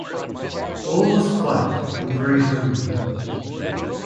All was quiet and very homely.